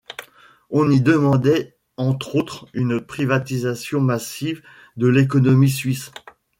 On y demandait entre autres une privatisation massive de l'économie suisse.